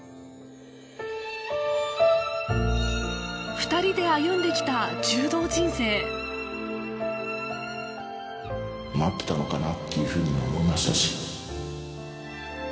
２人で歩んできた柔道人生待ってたのかなっていうふうにも思いましたし。